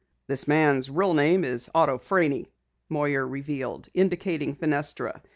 "This man's real name is Otto Franey," Moyer revealed, indicating Fenestra.